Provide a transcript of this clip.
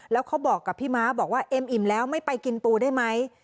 แล้วเขาบอกกับพี่ม้าบอกว่าเอ็มอิ่มแล้วไม่ไปกินปูได้ไหม